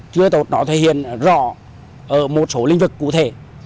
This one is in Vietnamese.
chưa tốt nó thể hiện rõ ở một số lĩnh vực cụ thể